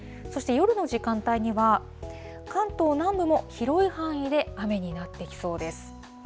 そして夜の時間帯には、関東南部も広い範囲で雨になってきそうです。